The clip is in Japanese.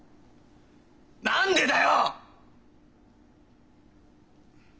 何でだよ！